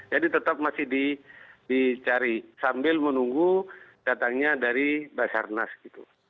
jadi tetap masih dicari sambil menunggu datangnya dari basarnas gitu